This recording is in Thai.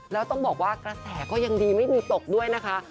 แล้วต้องบอกว่ากระแสก็ยังดีไม่มีตกด้วยนะคะ